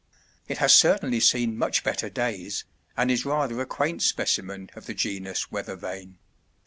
It has certainly seen much better days, and is rather a quaint specimen of the genus weather vane.